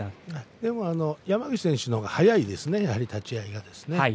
でも山口選手のほうが早いですね、立ち合いがですね。